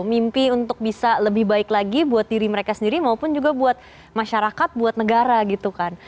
mimpi untuk bisa lebih baik lagi buat diri mereka sendiri maupun juga buat masyarakat buat negara gitu kan